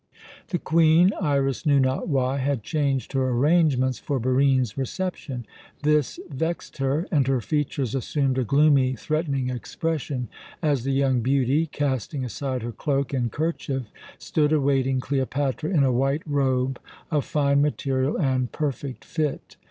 The Queen Iras knew not why had changed her arrangements for Barine's reception. This vexed her, and her features assumed a gloomy, threatening expression as the young beauty, casting aside her cloak and kerchief, stood awaiting Cleopatra in a white robe of fine material and perfect fit.